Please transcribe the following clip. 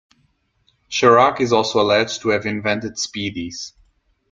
Sharak is also alleged to have invented spiedies.